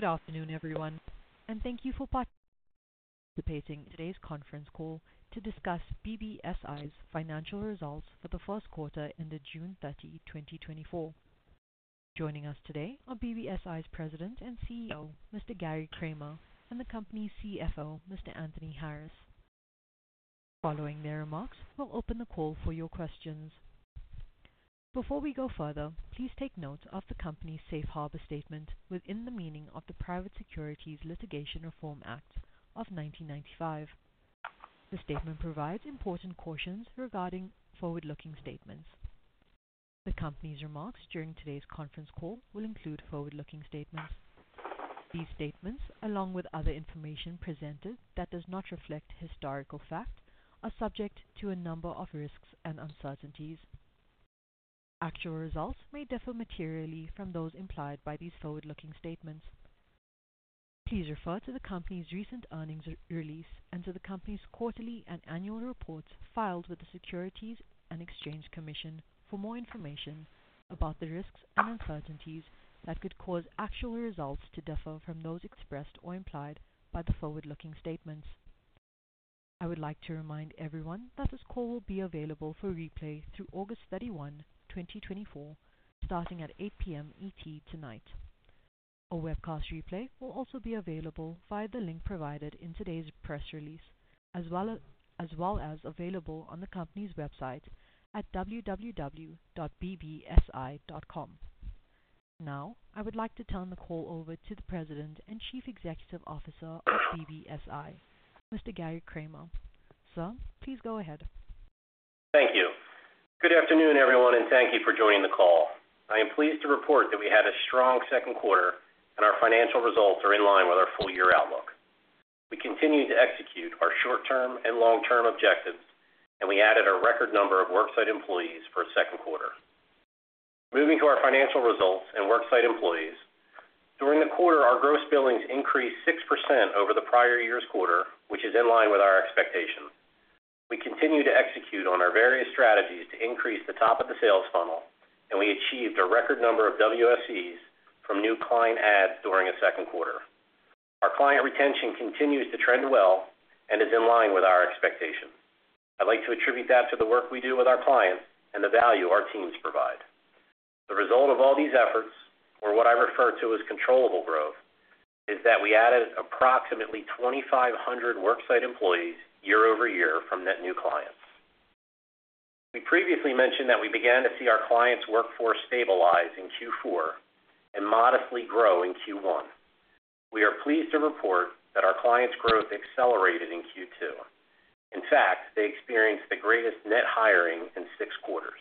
Good afternoon, everyone, and thank you for participating in today's conference call to discuss BBSI's Financial Results for the First Quarter ended June 30, 2024. Joining us today are BBSI's President and CEO, Mr. Gary Kramer, and the company's CFO, Mr. Anthony Harris. Following their remarks, we'll open the call for your questions. Before we go further, please take note of the company's safe harbor statement within the meaning of the Private Securities Litigation Reform Act of 1995. The statement provides important cautions regarding forward-looking statements. The company's remarks during today's conference call will include forward-looking statements. These statements, along with other information presented that does not reflect historical facts, are subject to a number of risks and uncertainties. Actual results may differ materially from those implied by these forward-looking statements. Please refer to the company's recent earnings release and to the company's quarterly and annual reports filed with the Securities and Exchange Commission for more information about the risks and uncertainties that could cause actual results to differ from those expressed or implied by the forward-looking statements. I would like to remind everyone that this call will be available for replay through August 31, 2024, starting at 8:00 P.M. ET tonight. A webcast replay will also be available via the link provided in today's press release, as well as available on the company's website at www.bbsi.com. Now, I would like to turn the call over to the President and Chief Executive Officer of BBSI, Mr. Gary Kramer. Sir, please go ahead. Thank you. Good afternoon, everyone, and thank you for joining the call. I am pleased to report that we had a strong second quarter, and our financial results are in line with our full-year outlook. We continue to execute our short-term and long-term objectives, and we added a record number of worksite employees for a second quarter. Moving to our financial results and worksite employees. During the quarter, our gross billings increased 6% over the prior year's quarter, which is in line with our expectations. We continue to execute on our various strategies to increase the top of the sales funnel, and we achieved a record number of WSEs from new client adds during the second quarter. Our client retention continues to trend well and is in line with our expectations. I'd like to attribute that to the work we do with our clients and the value our teams provide. The result of all these efforts, or what I refer to as controllable growth, is that we added approximately 2,500 worksite employees year-over-year from net new clients. We previously mentioned that we began to see our clients' workforce stabilize in Q4 and modestly grow in Q1. We are pleased to report that our clients' growth accelerated in Q2. In fact, they experienced the greatest net hiring in six quarters.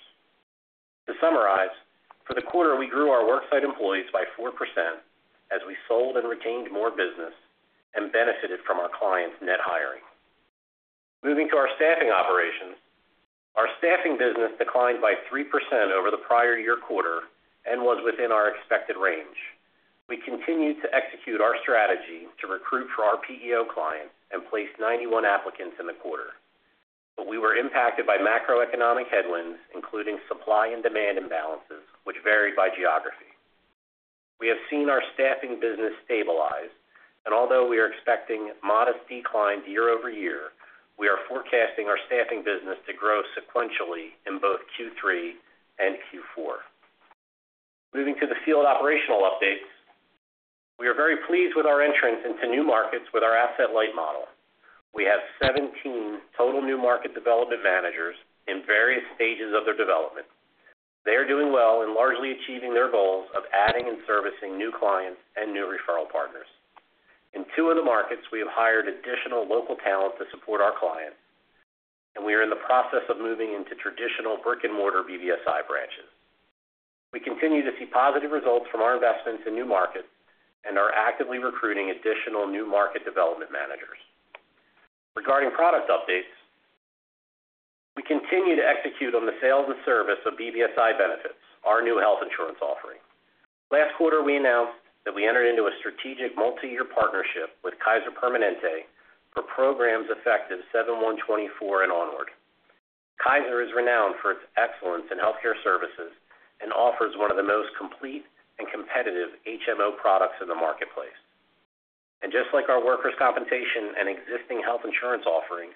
To summarize, for the quarter, we grew our worksite employees by 4% as we sold and retained more business and benefited from our clients' net hiring. Moving to our staffing operations. Our staffing business declined by 3% over the prior year quarter and was within our expected range. We continued to execute our strategy to recruit for our PEO clients and place 91 applicants in the quarter, but we were impacted by macroeconomic headwinds, including supply and demand imbalances, which varied by geography. We have seen our staffing business stabilize, and although we are expecting modest declines year-over-year, we are forecasting our staffing business to grow sequentially in both Q3 and Q4. Moving to the field operational updates. We are very pleased with our entrance into new markets with our asset-light model. We have 17 total new market development managers in various stages of their development. They are doing well and largely achieving their goals of adding and servicing new clients and new referral partners. In two of the markets, we have hired additional local talent to support our clients, and we are in the process of moving into traditional brick-and-mortar BBSI branches. We continue to see positive results from our investments in new markets and are actively recruiting additional new market development managers. Regarding product updates, we continue to execute on the sales and service of BBSI Benefits, our new health insurance offering. Last quarter, we announced that we entered into a strategic multi-year partnership with Kaiser Permanente for programs effective 7/1/2024 and onward. Kaiser is renowned for its excellence in healthcare services and offers one of the most complete and competitive HMO products in the marketplace. And just like our workers' compensation and existing health insurance offerings,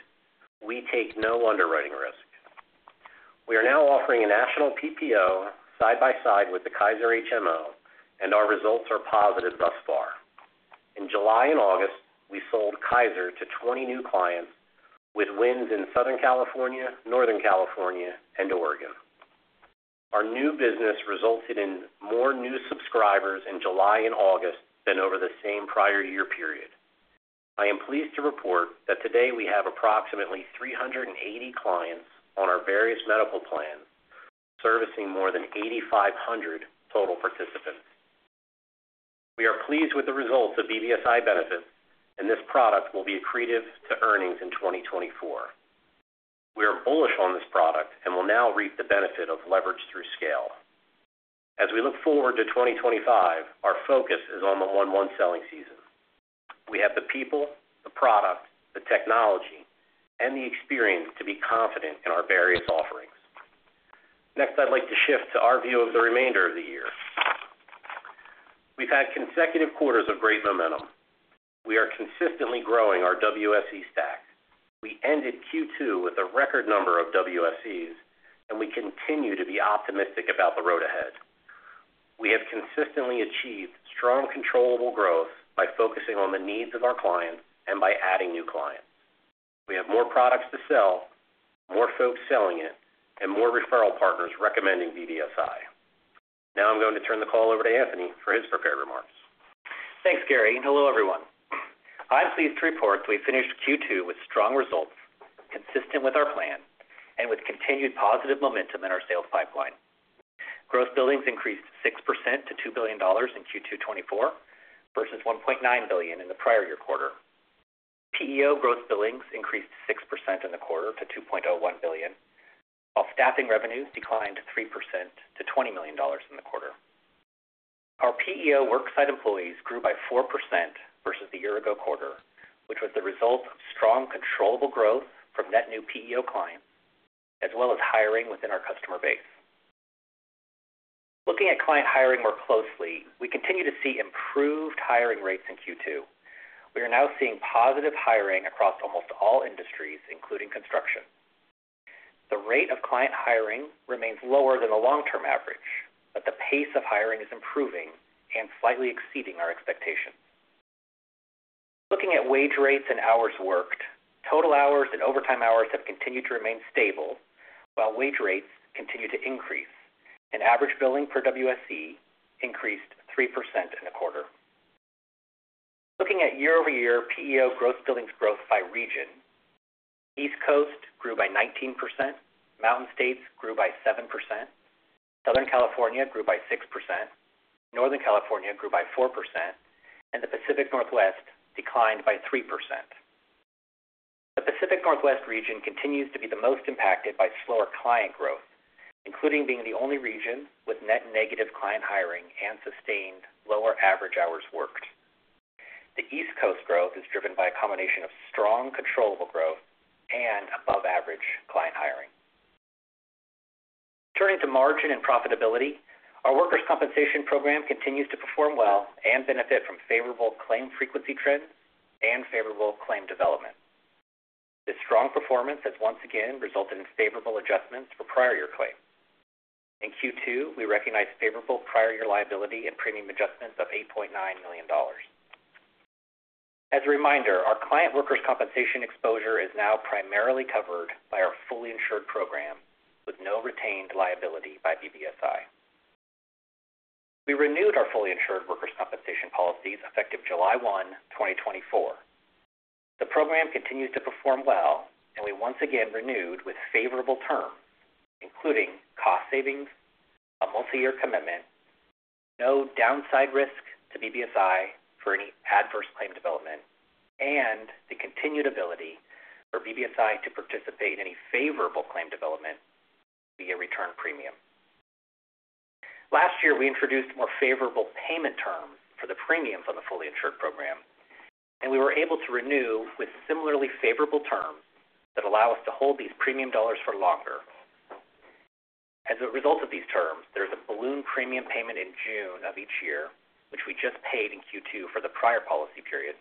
we take no underwriting risk. We are now offering a national PPO side by side with the Kaiser HMO, and our results are positive thus far. In July and August, we sold Kaiser to 20 new clients, with wins in Southern California, Northern California, and Oregon. Our new business resulted in more new subscribers in July and August than over the same prior year period. I am pleased to report that today we have approximately 380 clients on our various medical plans, servicing more than 8,500 total participants. We are pleased with the results of BBSI Benefits, and this product will be accretive to earnings in 2024. We are bullish on this product and will now reap the benefit of leverage through scale. As we look forward to 2025, our focus is on the 1/1 selling season. We have the people, the product, the technology, and the experience to be confident in our various offerings. Next, I'd like to shift to our view of the remainder of the year. We've had consecutive quarters of great momentum. We are consistently growing our WSE stock. We ended Q2 with a record number of WSEs, and we continue to be optimistic about the road ahead. We have consistently achieved strong, controllable growth by focusing on the needs of our clients and by adding new clients. We have more products to sell, more folks selling it, and more referral partners recommending BBSI. Now I'm going to turn the call over to Anthony for his prepared remarks. Thanks, Gary, and hello, everyone. I'm pleased to report we finished Q2 with strong results, consistent with our plan and with continued positive momentum in our sales pipeline. Gross billings increased 6% to $2 billion in Q2 2024 versus $1.9 billion in the prior year quarter. PEO gross billings increased 6% in the quarter to $2.01 billion, while staffing revenues declined 3% to $20 million in the quarter. Our PEO worksite employees grew by 4% versus the year-ago quarter, which was the result of strong, controllable growth from net new PEO clients, as well as hiring within our customer base. Looking at client hiring more closely, we continue to see improved hiring rates in Q2. We are now seeing positive hiring across almost all industries, including construction. The rate of client hiring remains lower than the long-term average, but the pace of hiring is improving and slightly exceeding our expectations. Looking at wage rates and hours worked, total hours and overtime hours have continued to remain stable, while wage rates continue to increase, and average billing per WSE increased 3% in the quarter. Looking at year-over-year PEO gross billings growth by region, East Coast grew by 19%, Mountain States grew by 7%, Southern California grew by 6%, Northern California grew by 4%, and the Pacific Northwest declined by 3%. The Pacific Northwest region continues to be the most impacted by slower client growth, including being the only region with net negative client hiring and sustained lower average hours worked. The East Coast growth is driven by a combination of strong, controllable growth and above-average client hiring. Turning to margin and profitability, our workers' compensation program continues to perform well and benefit from favorable claim frequency trends and favorable claim development. This strong performance has once again resulted in favorable adjustments for prior year claims. In Q2, we recognized favorable prior year liability and premium adjustments of $8.9 million. As a reminder, our client workers' compensation exposure is now primarily covered by our fully insured program, with no retained liability by BBSI. We renewed our fully insured workers' compensation policies effective July 1, 2024. The program continues to perform well, and we once again renewed with favorable terms, including cost savings, a multiyear commitment, no downside risk to BBSI for any adverse claim development, and the continued ability for BBSI to participate in any favorable claim development via return premium. Last year, we introduced more favorable payment terms for the premiums on the fully insured program, and we were able to renew with similarly favorable terms that allow us to hold these premium dollars for longer. As a result of these terms, there's a balloon premium payment in June of each year, which we just paid in Q2 for the prior policy period,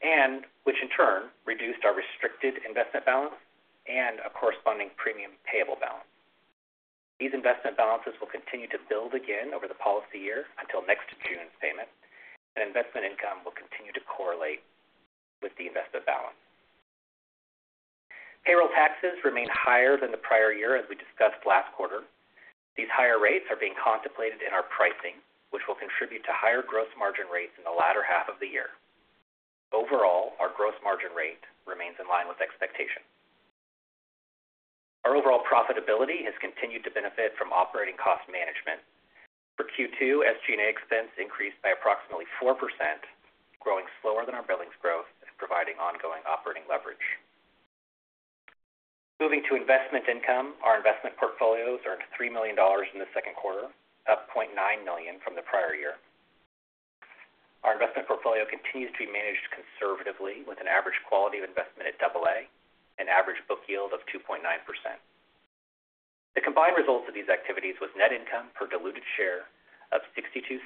and which in turn reduced our restricted investment balance and a corresponding premium payable balance. These investment balances will continue to build again over the policy year until next June's payment, and investment income will continue to correlate with the investment balance. Payroll taxes remain higher than the prior year, as we discussed last quarter. These higher rates are being contemplated in our pricing, which will contribute to higher gross margin rates in the latter half of the year. Overall, our gross margin rate remains in line with expectation. Our overall profitability has continued to benefit from operating cost management. For Q2, SG&A expense increased by approximately 4%, growing slower than our billings growth and providing ongoing operating leverage. Moving to investment income, our investment portfolios earned $3 million in the second quarter, up $0.9 million from the prior year. Our investment portfolio continues to be managed conservatively, with an average quality of investment at double A, an average book yield of 2.9%. The combined results of these activities was net income per diluted share of $0.62,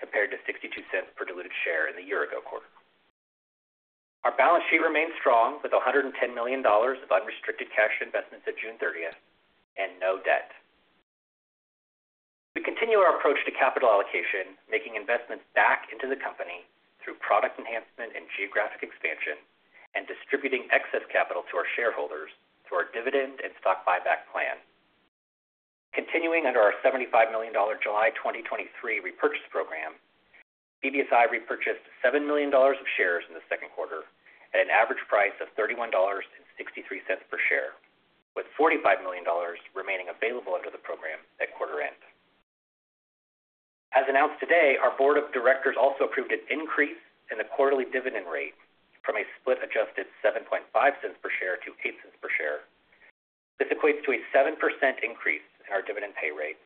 compared to $0.62 per diluted share in the year-ago quarter. Our balance sheet remains strong, with $110 million of unrestricted cash investments at June 30 and no debt. We continue our approach to capital allocation, making investments back into the company through product enhancement and geographic expansion, and distributing excess capital to our shareholders through our dividend and stock buyback plan. Continuing under our $75 million July 2023 repurchase program, BBSI repurchased $7 million of shares in the second quarter at an average price of $31.63 per share, with $45 million remaining available under the program at quarter end. As announced today, our board of directors also approved an increase in the quarterly dividend rate from a split adjusted $0.075 per share to $0.08 per share. This equates to a 7% increase in our dividend pay rate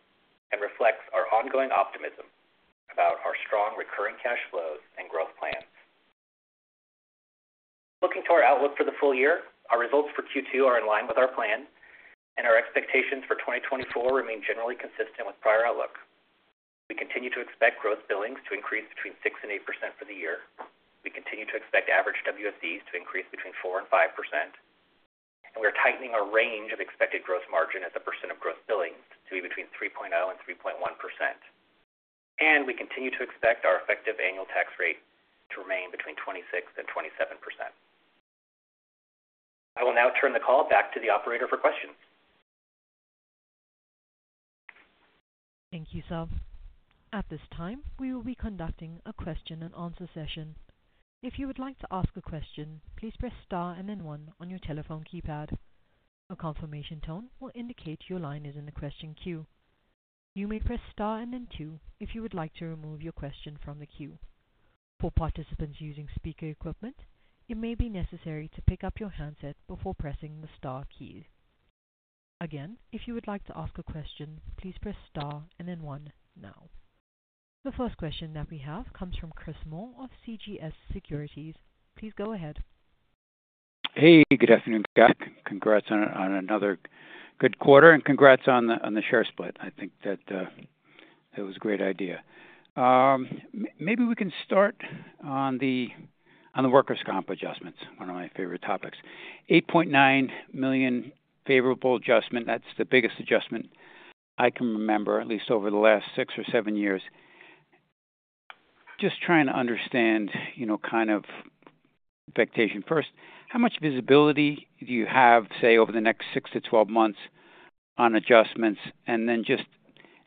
and reflects our ongoing optimism about our strong recurring cash flows and growth plans. Looking to our outlook for the full year, our results for Q2 are in line with our plan, and our expectations for 2024 remain generally consistent with prior outlook. We continue to expect gross billings to increase between 6% and 8% for the year. We continue to expect average WSEs to increase between 4% and 5%, and we're tightening our range of expected gross margin as a percent of gross billings to be between 3.0% and 3.1%. And we continue to expect our effective annual tax rate to remain between 26% and 27%. I will now turn the call back to the operator for questions. Thank you, sir. At this time, we will be conducting a question-and-answer session. If you would like to ask a question, please press star and then one on your telephone keypad. A confirmation tone will indicate your line is in the question queue. You may press star and then two, if you would like to remove your question from the queue. For participants using speaker equipment, it may be necessary to pick up your handset before pressing the star key. Again, if you would like to ask a question, please press star and then one now. The first question that we have comes from Chris Moore of CJS Securities. Please go ahead. Hey, good afternoon, guys. Congrats on another good quarter, and congrats on the share split. I think that was a great idea. Maybe we can start on the workers' comp adjustments, one of my favorite topics. $8.9 million favorable adjustment. That's the biggest adjustment I can remember, at least over the last six or seven years. Just trying to understand, you know, kind of expectation. First, how much visibility do you have, say, over the next six to 12 months on adjustments? And then just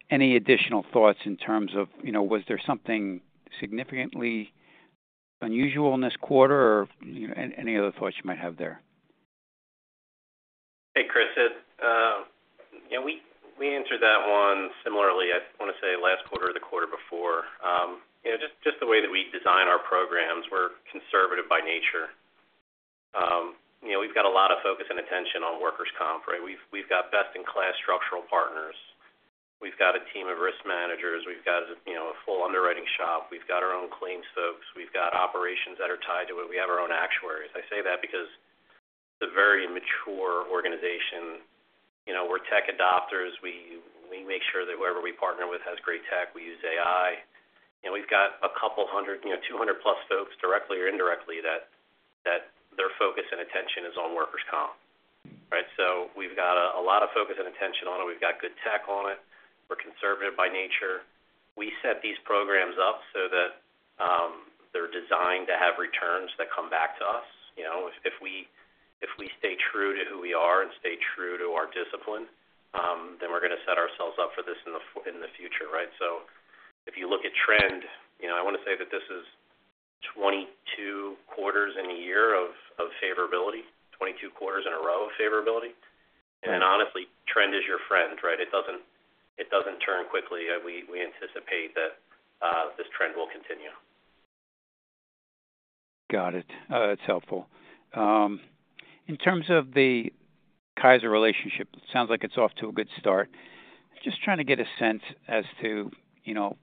any additional thoughts in terms of, you know, was there something significantly unusual in this quarter or, you know, any other thoughts you might have there? Hey, Chris. Yeah, we answered that one similarly, I want to say last quarter or the quarter before. You know, just the way that we design our programs, we're conservative by nature. You know, we've got a lot of focus and attention on workers' comp, right? We've got best-in-class structural partners. We've got a team of risk managers. We've got, you know, a full underwriting shop. We've got our own claims folks. We've got operations that are tied to it. We have our own actuaries. I say that because it's a very mature organization. You know, we're tech adopters. We make sure that whoever we partner with has great tech. We use AI, and we've got a couple hundred, you know, 200+ folks, directly or indirectly, that their focus and attention is on workers' comp, right? So we've got a lot of focus and attention on it. We've got good tech on it. We're conservative by nature. We set these programs up so that they're designed to have returns that come back to us. You know, if we stay true to who we are and stay true to our discipline, then we're going to set ourselves up for this in the future, right? So if you look at trend, you know, I want to say that this is 22 quarters in a row of favorability. And honestly, trend is your friend, right? It doesn't turn quickly. We anticipate that this trend will continue. Got it. That's helpful. In terms of the Kaiser relationship, it sounds like it's off to a good start. Just trying to get a sense as to, you know,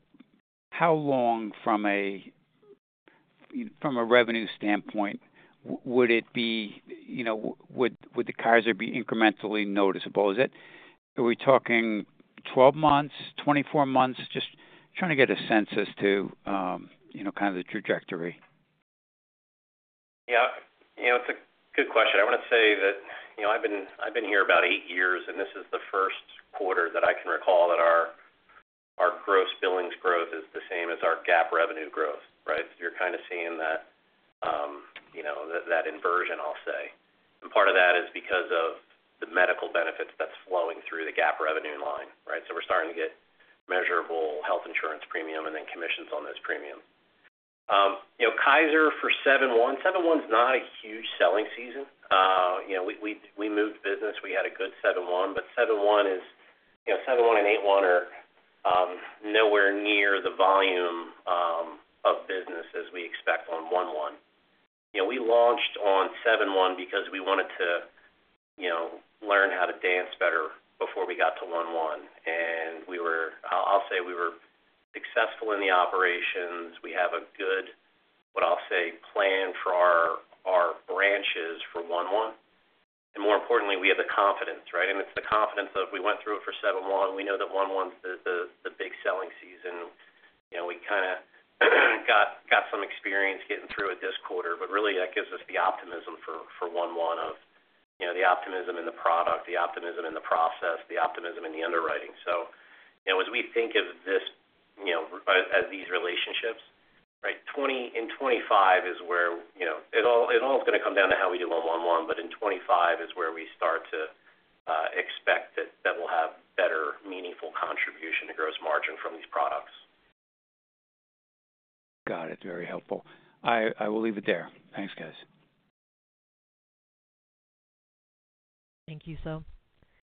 how long from a, from a revenue standpoint, would it be, you know, would the Kaiser be incrementally noticeable? Are we talking 12 months, 24 months? Just trying to get a sense as to, you know, kind of the trajectory. Yeah. You know, it's a good question. I want to say that, you know, I've been here about eight years, and this is the first quarter that I can recall that our gross billings growth is the same as our GAAP revenue growth, right? You're kind of seeing that, you know, that inversion, I'll say. And part of that is because of the medical benefits that's flowing through the GAAP revenue line, right? So we're starting to get measurable health insurance premium and then commissions on those premiums. You know, Kaiser for 7/1, 7/1 is not a huge selling season. You know, we moved business. We had a good 7/1, but 7/1 is, you know, 7/1 and 8/1 are nowhere near the volume of business as we expect on 1/1. You know, we launched on 7/1 because we wanted to, you know, learn how to dance better before we got to 1/1, and I'll say we were successful in the operations. We have a good, what I'll say, plan for our, our branches for 1/1, and more importantly, we have the confidence, right? And it's the confidence of we went through it for 7/1. We know that 1/1's the big selling season. You know, we kind of got some experience getting through it this quarter, but really, that gives us the optimism for, for 1/1 of, you know, the optimism in the product, the optimism in the process, the optimism in the underwriting. So, you know, as we think of this, you know, as these relationships, right, in 2025 is where, you know, it all is going to come down to how we do 1/1, but in 2025 is where we start to expect that we'll have better meaningful contribution to gross margin from these products. Got it. Very helpful. I will leave it there. Thanks, guys. Thank you, sir.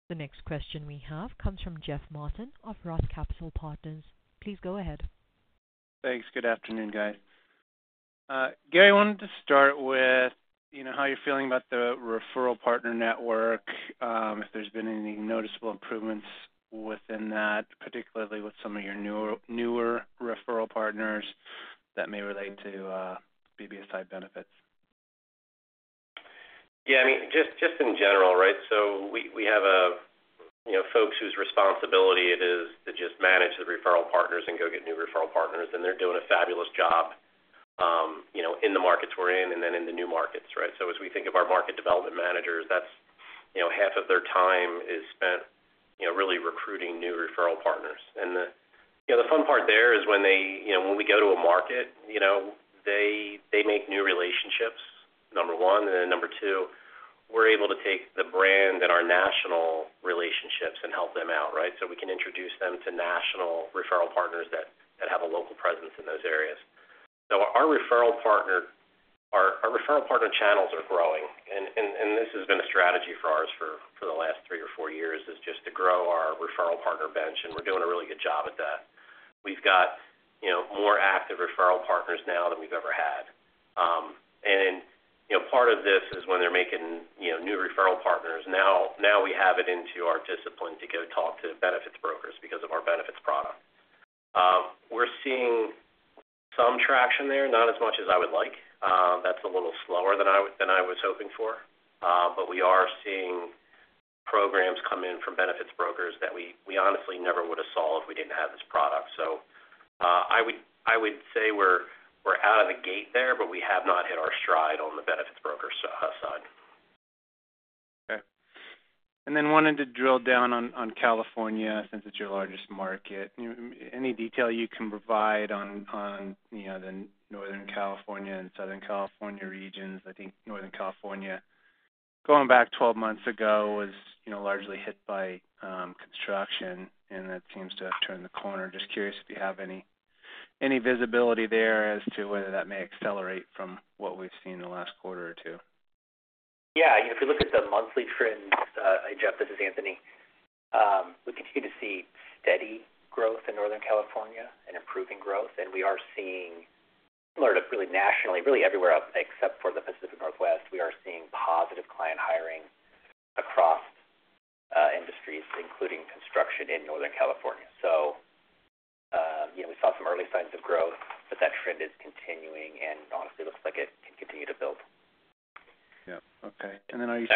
The next question we have comes from Jeff Martin of Roth Capital Partners. Please go ahead. Thanks. Good afternoon, guys. Gary, I wanted to start with, you know, how you're feeling about the referral partner network, if there's been any noticeable improvements within that, particularly with some of your newer referral partners that may relate to BBSI Benefits? Yeah, I mean, just, just in general, right? So we have a, you know, folks whose responsibility it is to just manage the referral partners and go get new referral partners, and they're doing a fabulous job, you know, in the markets we're in and then in the new markets, right? So as we think of our market development managers, that's, you know, half of their time is spent, you know, really recruiting new referral partners. And the, you know, the fun part there is when they, you know, when we go to a market, you know, they make new relationships, number one. And then number two, we're able to take the brand and our national relationships and help them out, right? So we can introduce them to national referral partners that have a local presence in those areas. So our referral partner channels are growing, and this has been a strategy for ours for the last three or four years, is just to grow our referral partner bench, and we're doing a really good job at that. We've got, you know, more active referral partners now than we've ever had. And, you know, part of this is when they're making, you know, new referral partners. Now we have it into our discipline to go talk to benefits brokers because of our benefits product. We're seeing some traction there, not as much as I would like. That's a little slower than I was hoping for. But we are seeing programs come in from benefits brokers that we honestly never would have saw if we didn't have this product. So, I would say we're out of the gate there, but we have not hit our stride on the benefits broker side. Okay. And then wanted to drill down on California, since it's your largest market. Any detail you can provide on, you know, the Northern California and Southern California regions? I think Northern California, going back 12 months ago, was, you know, largely hit by construction, and that seems to have turned the corner. Just curious if you have any visibility there as to whether that may accelerate from what we've seen in the last quarter or two. Yeah, if you look at the monthly trends, Jeff, this is Anthony. We continue to see steady growth in Northern California and improving growth, and we are seeing similar to really nationally, really everywhere, except for the Pacific Northwest. We are seeing positive client hiring across, industries, including construction in Northern California. So, you know, we saw some early signs of growth, but that trend is continuing, and honestly, looks like it can continue to build. Yeah. Okay. And then are you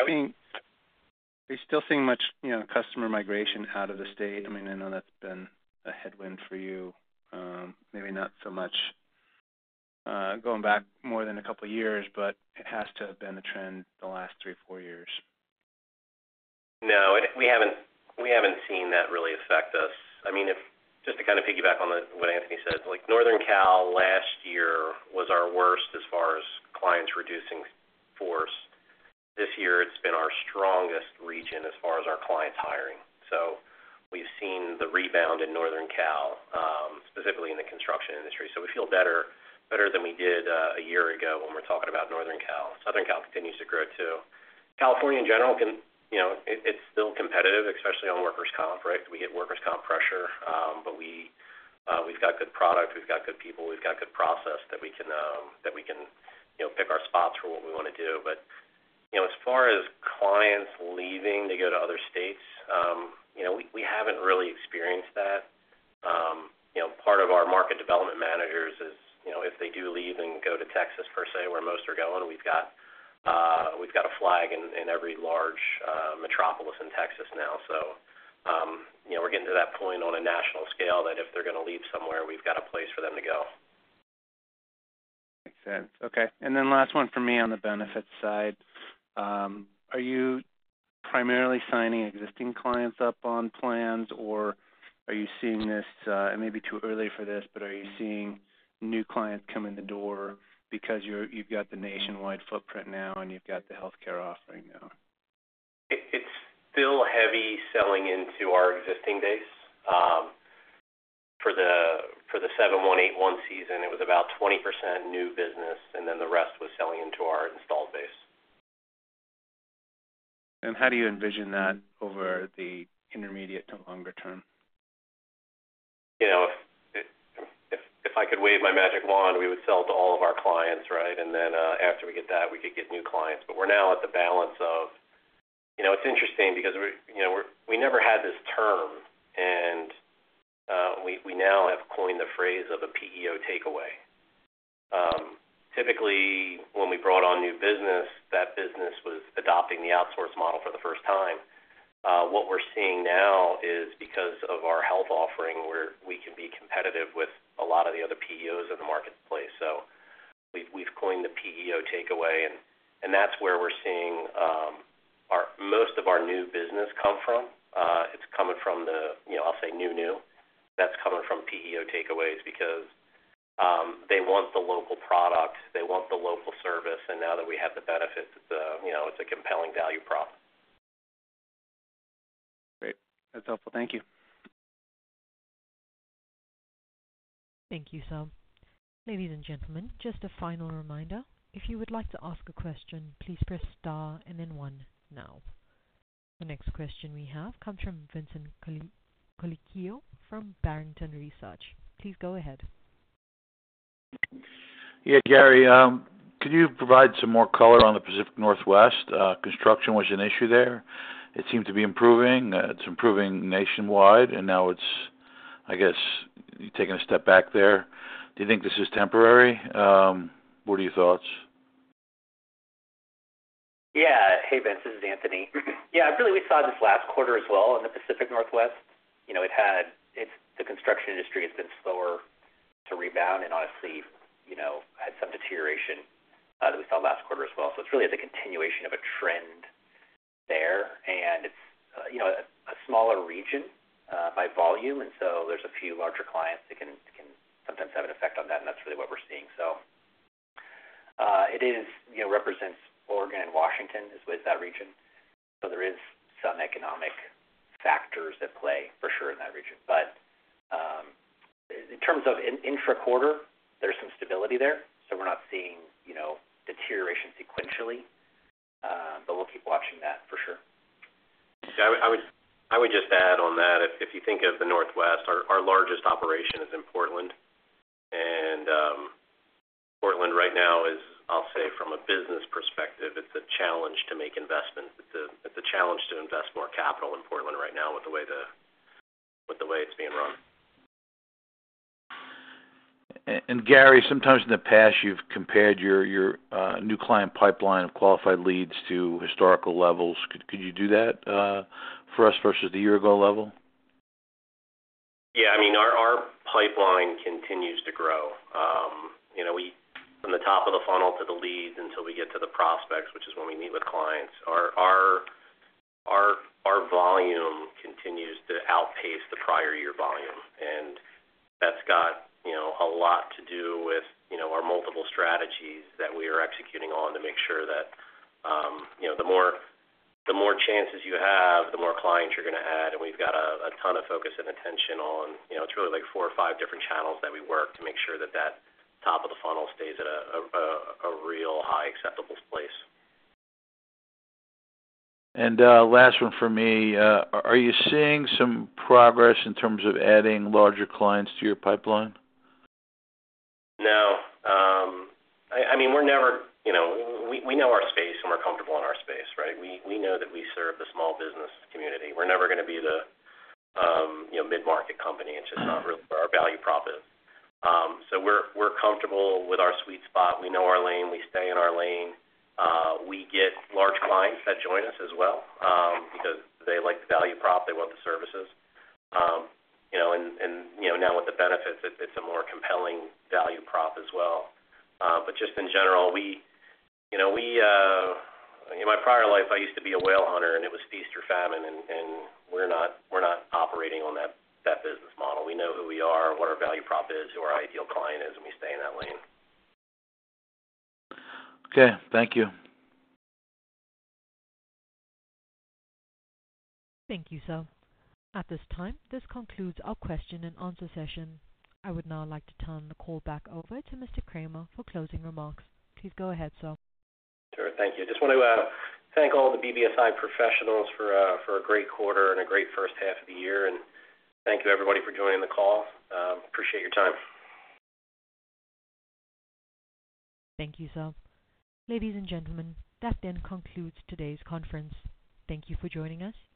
still seeing much, you know, customer migration out of the state? I mean, I know that's been a headwind for you, maybe not so much, going back more than a couple of years, but it has to have been a trend the last three, four years. No, we haven't, we haven't seen that really affect us. I mean, if just to kind of piggyback on the, what Anthony said, like, Northern Cal last year was our worst as far as clients reducing force. This year, it's been our strongest region as far as our clients hiring. So we've seen the rebound in Northern Cal, specifically in the construction industry. So we feel better, better than we did, a year ago when we're talking about Northern Cal. Southern Cal continues to grow, too. California, in general, can you know, it, it's still competitive, especially on workers' comp, right? We get workers' comp pressure, but we, we've got good product, we've got good people, we've got good process that we can, that we can, you know, pick our spots for what we want to do. But, you know, as far as clients leaving to go to other states, you know, we haven't really experienced that. You know, part of our market development managers is, you know, if they do leave and go to Texas, per se, where most are going, we've got, we've got a flag in every large metropolis in Texas now. So, you know, we're getting to that point on a national scale, that if they're going to leave somewhere, we've got a place for them to go. Makes sense. Okay, and then last one for me on the benefits side. Are you primarily signing existing clients up on plans, or are you seeing this, it may be too early for this, but are you seeing new clients come in the door because you've got the nationwide footprint now and you've got the healthcare offering now? It's still heavy selling into our existing base. For the 7/1, 8/1 season, it was about 20% new business, and then the rest was selling into our installed base. How do you envision that over the intermediate to longer term? You know, if I could wave my magic wand, we would sell to all of our clients, right? And then, after we get that, we could get new clients. But we're now at the balance of you know, it's interesting because we never had this term, and we now have coined the phrase of a PEO takeaway. Typically, when we brought on new business, that business was adopting the outsource model for the first time. What we're seeing now is because of our health offering, we can be competitive with a lot of the other PEOs in the marketplace, so we've coined the PEO takeaway, and that's where we're seeing our most of our new business come from. It's coming from the, you know, I'll say, new, new. That's coming from PEO takeaways because they want the local product, they want the local service, and now that we have the benefits, you know, it's a compelling value prop. Great. That's helpful. Thank you. Thank you, sir. Ladies and gentlemen, just a final reminder, if you would like to ask a question, please press star and then one now. The next question we have comes from Vincent Colicchio from Barrington Research. Please go ahead. Yeah, Gary, can you provide some more color on the Pacific Northwest? Construction was an issue there. It seemed to be improving. It's improving nationwide, and now I guess, taking a step back there, do you think this is temporary? What are your thoughts? Yeah. Hey, Vince, this is Anthony. Yeah, really, we saw this last quarter as well in the Pacific Northwest. You know, it's the construction industry has been slower to rebound, and honestly, you know, had some deterioration that we saw last quarter as well. So it's really the continuation of a trend there, and it's you know, a smaller region by volume, and so there's a few larger clients that can sometimes have an effect on that, and that's really what we're seeing. So it is, you know, represents Oregon and Washington is with that region, so there is some economic factors at play for sure in that region. But in terms of intraquarter, there's some stability there, so we're not seeing, you know, deterioration sequentially. But we'll keep watching that for sure. Yeah, I would, I would just add on that, if, if you think of the Northwest, our, our largest operation is in Portland. And, Portland right now is, I'll say, from a business perspective, it's a challenge to make investments. It's a, it's a challenge to invest more capital in Portland right now with the way the it's being run. Gary, sometimes in the past, you've compared your new client pipeline of qualified leads to historical levels. Could you do that for us versus the year ago level? Yeah. I mean, our pipeline continues to grow. You know, from the top of the funnel to the leads until we get to the prospects, which is when we meet with clients, our volume continues to outpace the prior year volume. And that's got you know, a lot to do with you know, our multiple strategies that we are executing on to make sure that you know, the more chances you have, the more clients you're going to add. And we've got a ton of focus and attention on you know, it's really like four or five different channels that we work to make sure that that top of the funnel stays at a real high acceptable place. And, last one for me. Are you seeing some progress in terms of adding larger clients to your pipeline? No. I mean, we're never, you know, we know our space, and we're comfortable in our space, right? We know that we serve the small business community. We're never going to be the, you know, mid-market company. It's just not really where our value prop is. So we're comfortable with our sweet spot. We know our lane. We stay in our lane. We get large clients that join us as well, because they like the value prop, they want the services. You know, and now with the benefits, it's a more compelling value prop as well. But just in general, we, you know, in my prior life, I used to be a whale hunter, and it was feast or famine, and we're not operating on that business model. We know who we are, what our value prop is, who our ideal client is, and we stay in that lane. Okay, thank you. Thank you, sir. At this time, this concludes our question and answer session. I would now like to turn the call back over to Mr. Kramer for closing remarks. Please go ahead, sir. Sure. Thank you. I just want to thank all the BBSI professionals for a great quarter and a great first half of the year. Thank you, everybody, for joining the call. Appreciate your time. Thank you, sir. Ladies and gentlemen, that then concludes today's conference. Thank you for joining us.